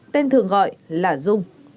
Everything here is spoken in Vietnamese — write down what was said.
tên thường gọi là dung